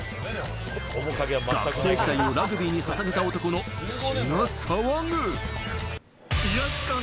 学生時代をラグビーに捧げた男の血が騒ぐ。